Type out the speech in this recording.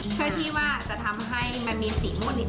เพื่อที่ว่าจะทำให้มันมีสีม่วงนิด